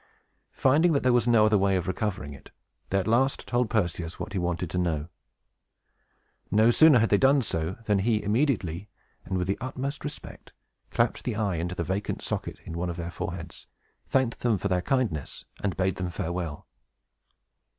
Finding that there was no other way of recovering it, they at last told Perseus what he wanted to know. No sooner had they done so, than he immediately, and with the utmost respect, clapped the eye into the vacant socket in one of their foreheads, thanked them for their kindness, and bade them farewell.